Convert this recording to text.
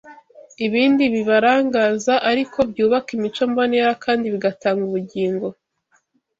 ibindi bibarangaza ariko byubaka imico mbonera kandi bigatanga ubugingo.